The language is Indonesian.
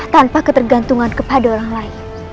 tanpa ketergantungan kepada orang lain